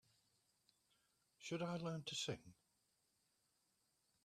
Should I learn to sing?